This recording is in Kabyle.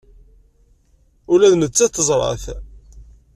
Ula d nettat teẓra-t.